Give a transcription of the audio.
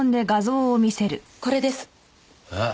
これです。